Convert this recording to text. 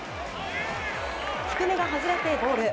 低めが外れてボール。